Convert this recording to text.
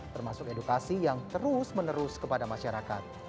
termasuk edukasi yang terus menerus kepada masyarakat